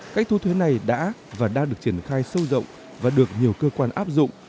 cách thu thuế này đã và đang được triển khai sâu rộng và được nhiều cơ quan áp dụng